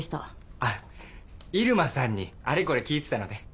あっ入間さんにあれこれ聞いてたので。